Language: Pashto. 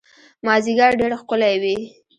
مازیګر ډېر ښکلی وي